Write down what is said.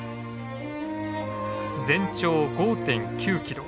全長５．９キロ。